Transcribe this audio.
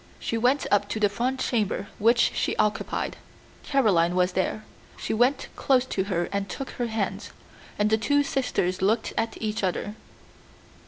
She went up to the front chamber which she occupied. Caroline was there. She went close to her and took her hands, and the two sisters looked at each other.